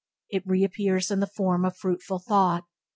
It reappears in the form of fruitful thought.